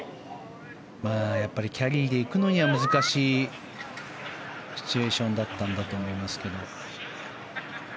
やっぱりキャリーで行くのには難しいシチュエーションだったと思いますが。